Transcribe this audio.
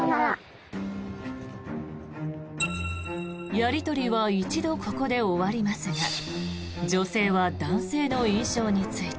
やり取りは一度、ここで終わりますが女性は男性の印象について。